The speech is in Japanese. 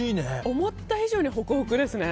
思った以上にホクホクですね。